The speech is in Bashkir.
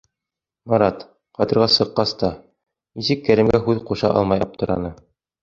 Марат, ҡайтырға сыҡҡас та, нисек итеп Кәримгә һүҙ ҡуша алмай аптыраны.